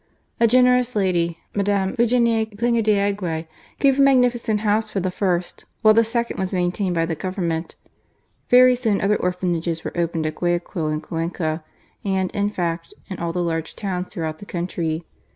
A generous lady, Mde. Virginie Klinger d'Aguirre, gave a magnificent house for the first ; while the second was maintained by the Government. Very soon, other orphanages were opened at Guayaquil and Cuenca, and, in fact, in all the large towns throughout the country.